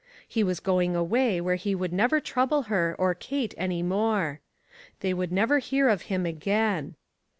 He was going away where he would never trouble her or Kate any more. They would never hear of him again.